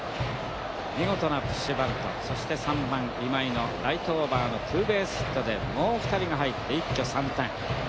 見事なプッシュバントそして３番今井のライトオーバーのツーベースヒットでもう２人が入って一挙３点。